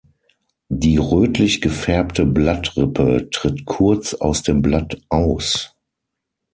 Die rötlich gefärbte Blattrippe tritt kurz aus dem Blatt aus.